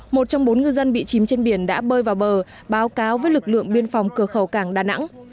một trong bốn ngư dân bị chìm trên biển đã bơi vào bờ báo cáo với lực lượng biên phòng cửa khẩu cảng đà nẵng